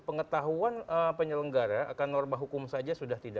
pengetahuan penyelenggara akan norma hukum saja